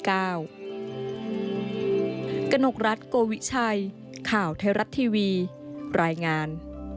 กนกรัฐโกวิชัยข่าวไทยรัฐทีวีรายงาน